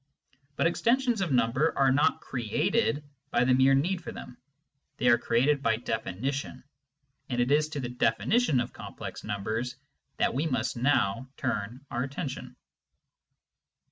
But extensions of number are not created by the mere need for them : they are created by the definition, and it is to the definition of complex numbers that we must now turn our attention.